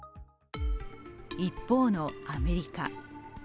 一方のアメリカ。